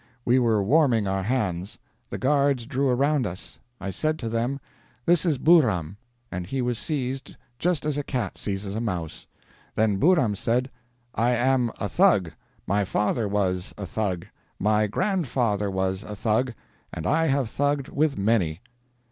We were warming our hands. The guards drew around us. I said to them, 'This is Buhram,' and he was seized just as a cat seizes a mouse. Then Buhram said, 'I am a Thug! my father was a Thug, my grandfather was a Thug, and I have thugged with many!'"